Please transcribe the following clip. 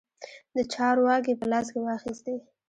د چارو واګې په لاس کې واخیستې.